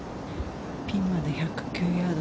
ピンまで１０９ヤード